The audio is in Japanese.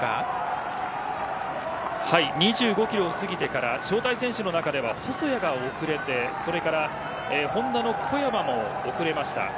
２５キロを過ぎてから招待選手の中では細谷が遅れてＨｏｎｄａの小山も遅れました。